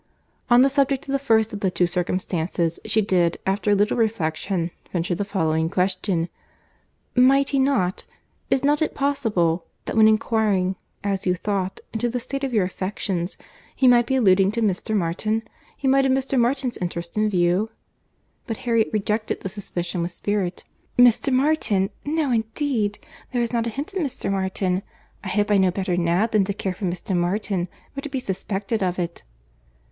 On the subject of the first of the two circumstances, she did, after a little reflection, venture the following question. "Might he not?—Is not it possible, that when enquiring, as you thought, into the state of your affections, he might be alluding to Mr. Martin—he might have Mr. Martin's interest in view? But Harriet rejected the suspicion with spirit. "Mr. Martin! No indeed!—There was not a hint of Mr. Martin. I hope I know better now, than to care for Mr. Martin, or to be suspected of it."